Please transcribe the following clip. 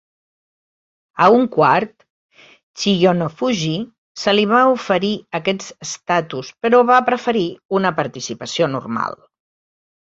A un quart, Chiyonofuji, se li va oferir aquest estatus però va preferir una participació normal.